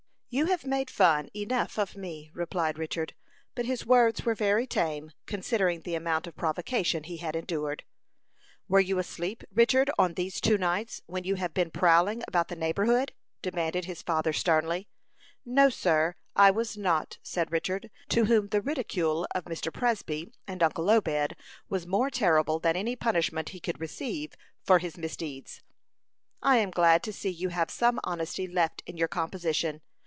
"You have made fun enough of me," replied Richard; but his words were very tame, considering the amount of provocation he had endured. "Were you asleep, Richard, on these two nights when you have been prowling about the neighborhood?" demanded his father, sternly. "No, sir, I was not," said Richard, to whom the ridicule of Mr. Presby and uncle Obed was more terrible than any punishment he could receive for his misdeeds. "I am glad to see you have some honesty left in your composition.